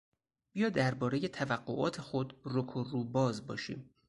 بیا دربارهی توقعات خود رک و روباز باشیم.